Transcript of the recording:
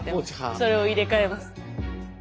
それを入れ替えます。